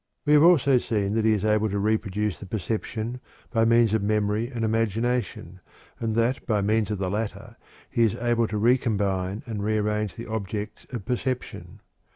We have also seen that he is able to reproduce the perception by means of memory and imagination, and that by means of the latter he is able to re combine and rearrange the objects of perception.